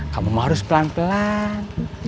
kamu harus pelan pelan